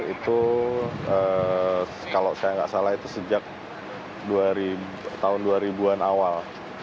itu kalau saya nggak salah itu sejak tahun dua ribu an awal